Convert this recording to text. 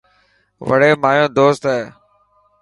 وڙي مايو دوست هي.